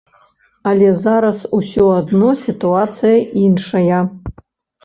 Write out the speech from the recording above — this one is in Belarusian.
Але зараз усё адно сітуацыя іншая.